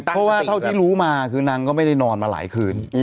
เพราะว่าเท่าที่รู้มาคือนางก็ไม่ได้นอนมาหลายคืน